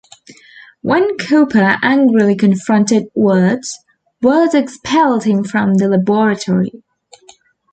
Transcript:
When Couper angrily confronted Wurtz, Wurtz expelled him from the laboratory.